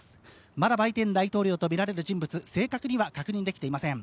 まだバイデン大統領とみられる人物、正確には確認されていません。